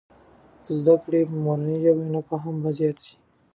که زده کړې په مورنۍ ژبې وي، نو فهم به زيات سي.